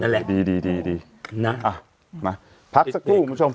นั่นแหละดีดีดีดีนะอ่ะมาพักสักครู่คุณผู้ชม